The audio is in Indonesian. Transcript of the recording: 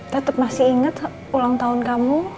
tetep masih inget ulang tahun kamu